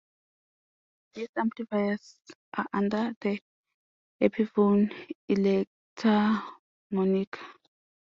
These Amplifiers are under the Epiphone Electar moniker.